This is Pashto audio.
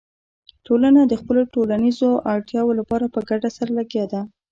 ټولنه د خپلو ټولنیزو اړتیاوو لپاره په ګډه سره لګیا ده.